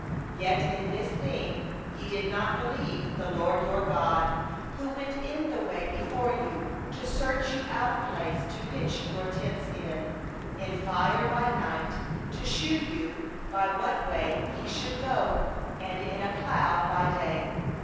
32Yet in this thing ye do not believe the LORD your God, 33Who went before you in the way, to seek you out a place to pitch your tents in: in fire by night, to show you by what way ye should go, and in the cloud by day.